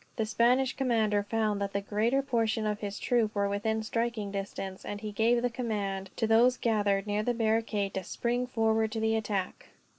The Spanish commander found that the greater portion of his troop were within striking distance, and he gave the command, to those gathered near the barricade, to spring forward to the attack.